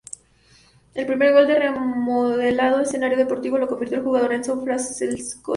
El primer gol del remodelado escenario deportivo lo convirtió el jugador Enzo Francescoli.